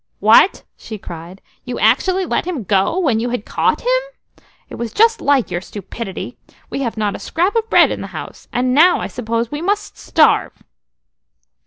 "What!" she cried, "you actually let him go when you had caught him? It was just like your stupidity. We have not a scrap of bread in the house, and now, I suppose, we must starve!"